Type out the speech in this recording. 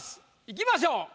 いきましょう。